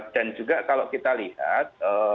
dan juga kalau kita lihat